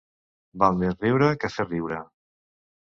Val més riure que fer riure.